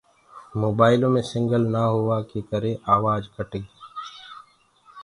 موبآئيلو مي سگنل نآ هوآ ڪي ڪري آوآج ڪٽ گي۔